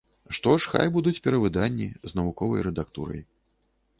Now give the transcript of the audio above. Што ж, хай будуць перавыданні, з навуковай рэдактурай.